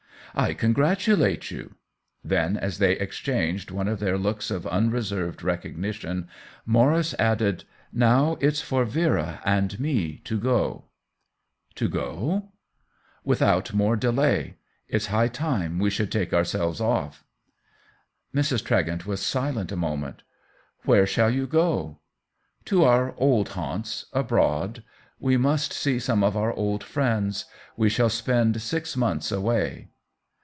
" I congratulate you." Then, as they ex changed one of their looks of unreserved recognition, Maurice added :" Now it's for Vera and me to go." " To go ?" i 86 THE WHEEL OF TIME " Without more delay. It's high time we should take ourselves off." Mrs. Tregent was silent a moment. " Where shall you go ?"" To our old haunts — abroad. We must see some of our old friends. We shall spend six months away."